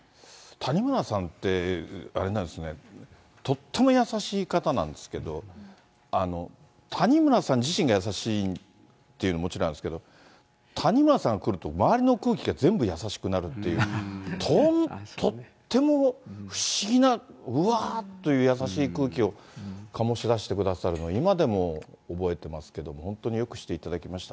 谷村さんって、あれなんですね、とっても優しい方なんですけど、谷村さん自身が優しいっていうのはもちろんなんですけど、谷村さんが来ると、周りの空気が全部優しくなるっていう、とっても不思議な、うわーっていう優しい空気を醸し出してくださるの、今でも覚えてますけれども、本当によくしていただきました。